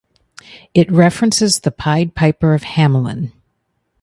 It references the Pied Piper of Hamelin.